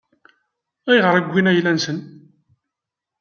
Ayɣer i wwin ayla-nsen?